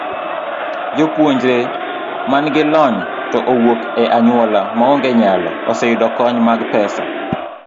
Jopuonjre ma nigi lony to wuok e anyuola maonge nyalo, oseyudo kony mag pesa.